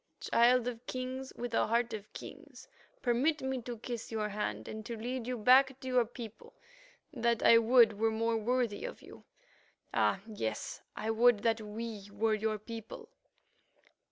"Child of Kings with a heart of kings, permit me to kiss your hand and to lead you back to your people, that I would were more worthy of you. Ah! yes, I would that we were your people."